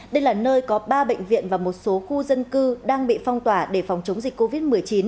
đây là nơi có ba bệnh viện và một số khu dân cư đang bị phong tỏa để phòng chống dịch covid một mươi chín